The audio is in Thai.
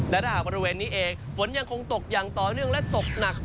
และถ้าหากบริเวณนี้เองฝนยังคงตกอย่างต่อเนื่องและตกหนัก